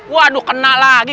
waduh kena lagi